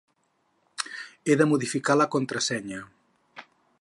He de modificar la contrasenya.